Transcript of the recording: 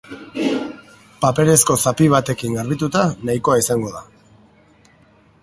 Paperezko zapi batekin garbituta nahikoa izango da.